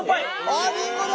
あっりんごだ！